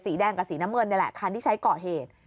แดงกับสีน้ำเงินนี่แหละคันที่ใช้ก่อเหตุ